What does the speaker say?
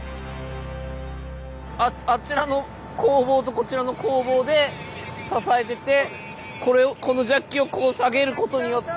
あちらの鋼棒とこちらの鋼棒で支えててこのジャッキを下げることによって。